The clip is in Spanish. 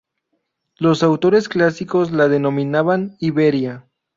Los autores clásicos la denominaban Iberia.